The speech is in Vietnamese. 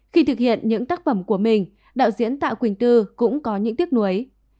khi thực hiện những tác phẩm của mình đạo diễn tạ quỳnh tư cũng có những tiếc nuối